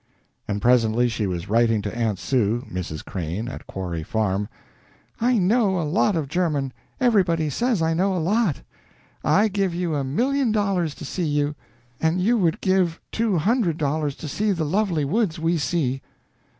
But presently she was writing to "Aunt Sue" (Mrs. Crane) at Quarry Farm: "I know a lot of German; everybody says I know a lot. I give you a million dollars to see you, and you would give two hundred dollars to see the lovely woods we see."